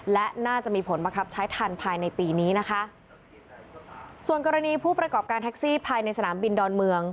และน่าจะมีผลบังคับใช้ทันภายในปีนี้นะคะส่วนกรณีผู้ประกอบการแท็กซี่ภายในสนามบินดอนเมือง